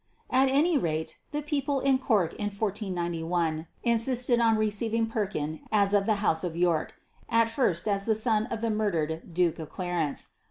At any rate the people in Cork in 1491 insisted on receiving Perkin as of the House of York at first as a son of the murdered Duke of Clarence.